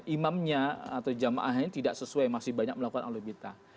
imamnya atau jamaahnya tidak sesuai masih banyak melakukan alubita